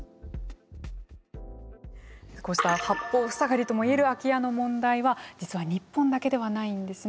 こうした八方塞がりとも言える空き家の問題は実は日本だけではないんですね。